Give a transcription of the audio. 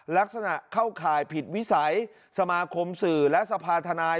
ลักษณะเข้าข่ายผิดวิสัยสมาคมสื่อและสภาธนาย